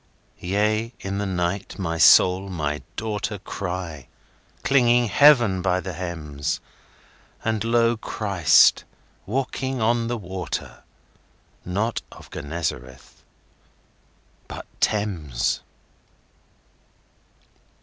Yea, in the night, my Soul, my daughter, Cry,—clinging Heaven by the hems; And lo, Christ walking on the waterNot of Gennesareth, but Thames!